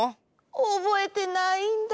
おぼえてないんだ。